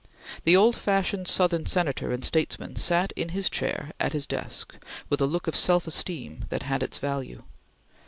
The old fashioned Southern Senator and statesman sat in his chair at his desk with a look of self esteem that had its value.